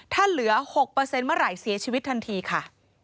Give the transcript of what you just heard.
ถ้าเหลือ๖เมื่อไหร่เสียชีวิตทันทีค่ะ